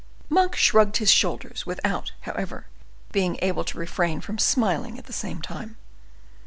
Monk shrugged his shoulders, without, however, being able to refrain from smiling at the same time.